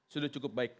sudah cukup baik